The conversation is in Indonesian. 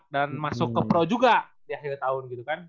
dan masuk ke pro juga di akhir tahun gitu kan